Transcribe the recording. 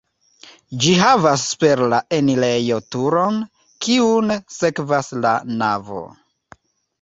Ĝi havas super la enirejo turon, kiun sekvas la navo.